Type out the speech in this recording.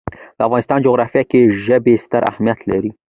د افغانستان جغرافیه کې ژبې ستر اهمیت لري.